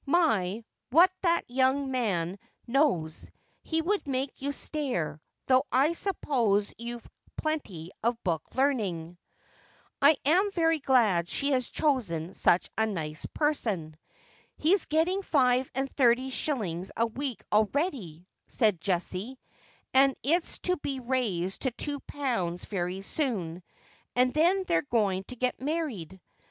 My, what that young man knows ! He would make you stare— though I suppose you've plenty of book learning.' ' I am very glad she has chosen such a nice person.' 'lie's getting five and thirty shillings a week already,' said Jessie, ' and it's to be raised to two pounds very soon, and then they're going to get married.